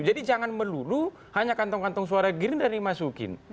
jadi jangan melulu hanya kantong kantong suara girindra dimasukin